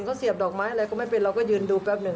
เขาเสียบดอกไม้อะไรก็ไม่เป็นเราก็ยืนดูแป๊บหนึ่ง